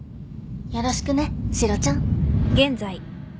よろしくねシロちゃん